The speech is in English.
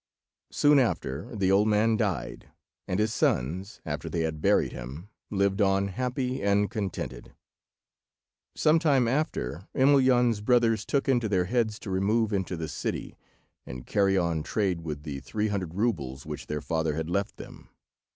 Soon after the old man died, and his sons, after they had buried him, lived on happy and contented. Some time after Emelyan's brothers took it into their heads to remove into the city, and carry on trade with the three hundred roubles which their father had left them.